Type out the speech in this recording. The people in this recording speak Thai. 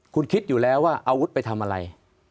คุณคิดอยู่แล้วว่าอาวุธไปทำอะไร